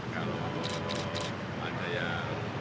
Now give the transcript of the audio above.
kalau ada yang